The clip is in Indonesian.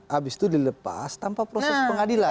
habis itu dilepas tanpa proses pengadilan